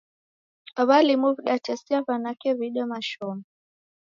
W'alimu w'idatesia w'anake w'iide mashomo.